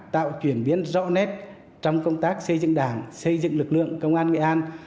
tạo chuyển biến rõ nét trong công tác xây dựng đảng xây dựng lực lượng công an nghệ an